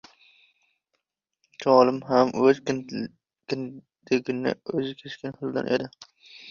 Cholim ham o‘z kindigini o‘zi kesgan xilidan edi.